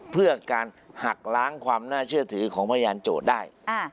เพื่อการหักล้างความน่าเชื่อถือของพยานโจทย์ได้